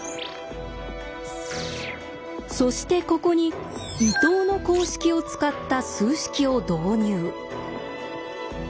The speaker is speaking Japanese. そしてここに伊藤の公式を使った数式を導入。